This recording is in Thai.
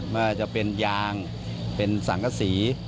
ว่าจะเป็นยางเป็นสังกษี